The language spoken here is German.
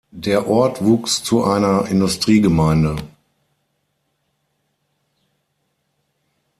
Der Ort wuchs zu einer Industriegemeinde.